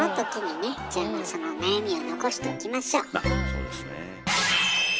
そうですねえ。